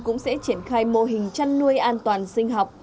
cũng sẽ triển khai mô hình chăn nuôi an toàn sinh học